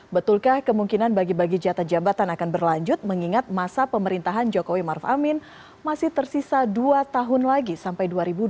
betulkah kemungkinan bagi bagi jatah jabatan akan berlanjut mengingat masa pemerintahan jokowi maruf amin masih tersisa dua tahun lagi sampai dua ribu dua puluh